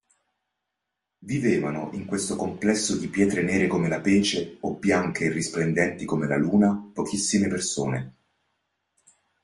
Vivevano in questo complesso di pietre nere come la pece o bianche e risplendenti come la luna pochissime persone.